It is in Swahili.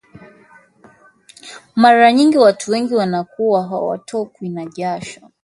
mara nyingi watu wengi wanakua hawatokwi na jasho